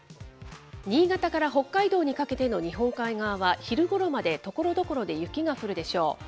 新潟から北海道にかけての日本海側は昼ごろまでところどころで雪が降るでしょう。